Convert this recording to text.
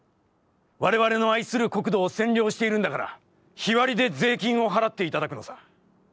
われわれの愛する国土を占領しているんだから、日割で税金を払っていただくのさ』。